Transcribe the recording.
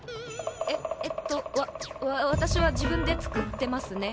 ええっとわ私は自分で作ってますね。